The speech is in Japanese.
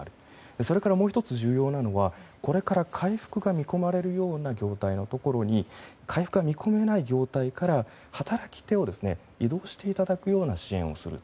それからもう１つ重要なのはこれから回復が見込まれるような業態のところに回復が見込めない業態から働き手を移動していただくような支援をする。